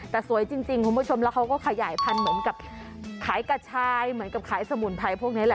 แต่สวยจริงคุณผู้ชมแล้วเขาก็ขยายพันธุ์เหมือนกับขายกระชายเหมือนกับขายสมุนไพรพวกนี้แหละ